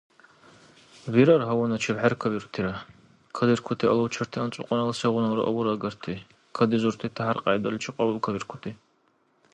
Бирар гьаваначиб хӀеркабирутира, кадиркути алавчарти анцӀбукьунала сегъуналра авараагарти, кадизурти тяхӀяр-кьяйдаличи кьабулкабиркути.